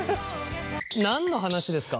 何の話ですか？